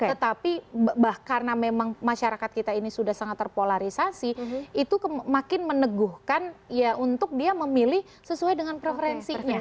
tetapi karena memang masyarakat kita ini sudah sangat terpolarisasi itu makin meneguhkan ya untuk dia memilih sesuai dengan preferensinya